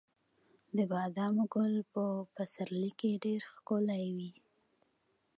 د بادامو ګل په پسرلي کې ډیر ښکلی وي.